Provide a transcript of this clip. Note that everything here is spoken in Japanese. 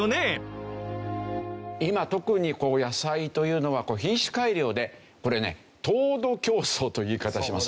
今特に野菜というのは品種改良でこれね糖度競争という言い方します。